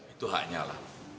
itu haknya lah